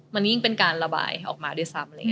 มันยิ่งเป็นการระบายออกมาด้วยซ้ำ